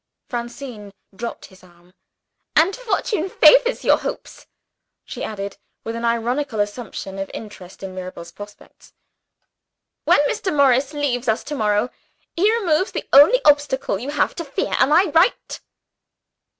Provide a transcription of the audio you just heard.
Francine dropped his arm "And fortune favors your hopes," she added, with an ironical assumption of interest in Mirabel's prospects. "When Mr. Morris leaves us to morrow, he removes the only obstacle you have to fear. Am I right?"